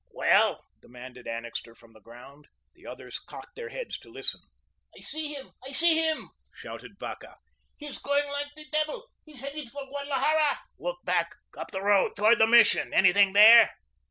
"Well?" demanded Annixter from the ground. The others cocked their heads to listen. "I see him; I see him!" shouted Vacca. "He's going like the devil. He's headed for Guadalajara." "Look back, up the road, toward the Mission. Anything there?"